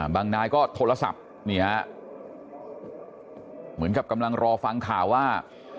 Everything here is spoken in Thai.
นายก็โทรศัพท์นี่ฮะเหมือนกับกำลังรอฟังข่าวว่า